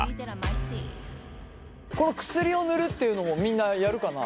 この薬を塗るっていうのもみんなやるかな。